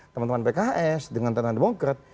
teman teman pks dengan tenang demokrat